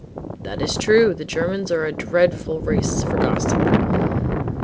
"That is true; the Germans are a dreadful race for gossip."